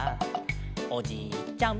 「おじいちゃん